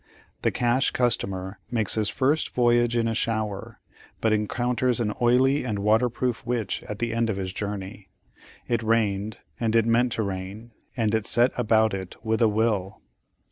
The "Cash Customer" makes his first Voyage in a Shower, but encounters an Oily and Waterproof Witch at the end of his Journey. It rained, and it meant to rain, and it set about it with a will.